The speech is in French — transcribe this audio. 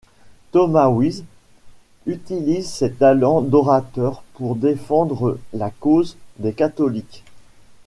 Thomas Wyse utilise ses talents d'orateur pour défendre la cause des catholiques.